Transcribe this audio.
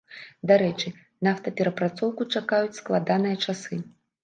Дарэчы, нафтаперапрацоўку чакаюць складаныя часы.